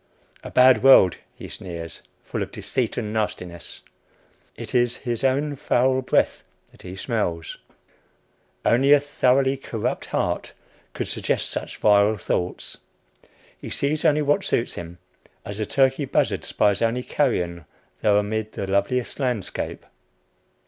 A bad world, he sneers, full of deceit and nastiness it is his own foul breath that he smells; only a thoroughly corrupt heart could suggest such vile thoughts. He sees only what suits him, as a turkey buzzard spies only carrion, though amid the loveliest landscape.